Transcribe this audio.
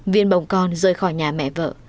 viên bồng con rơi khỏi nhà mẹ vợ